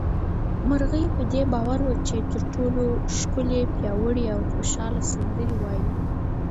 مرغۍ په دې باور وه چې تر ټولو ښکلې، پياوړې او خوشحاله سندرې وايي